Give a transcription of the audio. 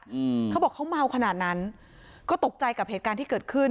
อืมเขาบอกเขาเมาขนาดนั้นก็ตกใจกับเหตุการณ์ที่เกิดขึ้น